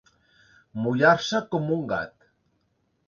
Mullar-se com un gat.